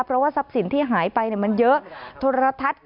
เพราะว่าทรัพย์สินที่หายไปมันเยอะ